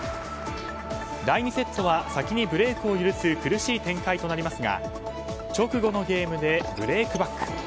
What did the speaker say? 第２セットは先にブレークを許す苦しい展開となりますが直後のゲームでブレークバック。